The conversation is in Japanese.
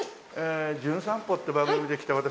『じゅん散歩』って番組で来た私